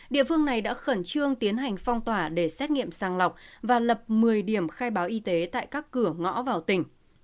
địa phương này đã khẩn trương tiến hành phong tỏa để xét nghiệm sàng lọc và lập một mươi điểm khai báo y tế tại các cửa ngõ vào tỉnh